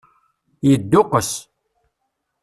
Yedduqqes.